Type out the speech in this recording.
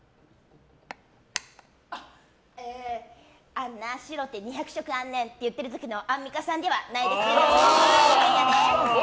あんな、白って２００色あんねんって言ってる時のアンミカさんではないです。